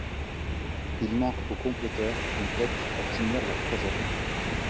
Il manque aux comploteurs une tête pour finir leur projet.